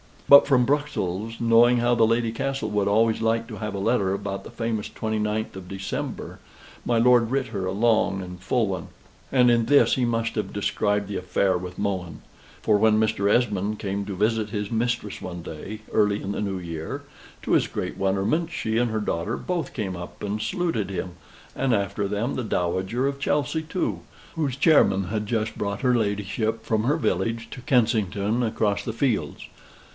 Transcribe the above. But from Bruxelles, knowing how the Lady Castlewood always liked to have a letter about the famous 29th of December, my lord writ her a long and full one, and in this he must have described the affair with Mohun; for when Mr. Esmond came to visit his mistress one day, early in the new year, to his great wonderment, she and her daughter both came up and saluted him, and after them the Dowager of Chelsey, too, whose chairman had just brought her ladyship from her village to Kensington across the fields.